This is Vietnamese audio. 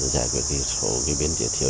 giải quyết số biên chế thiếu